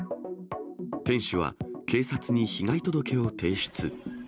店主は警察に被害届を提出。